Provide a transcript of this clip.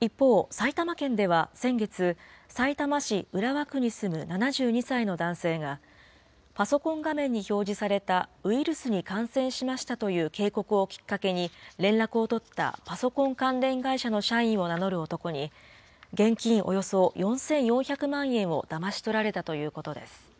一方、埼玉県では先月、さいたま市浦和区に住む７２歳の男性が、パソコン画面に表示されたウイルスに感染しましたという警告をきっかけに、連絡を取ったパソコン関連会社の社員を名乗る男に、現金およそ４４００万円をだまし取られたということです。